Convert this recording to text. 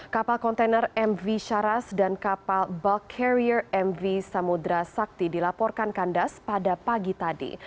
kapal kontainer mv syaras dan kapal bulk carrier mv samudera sakti dilaporkan kandas pada pagi tadi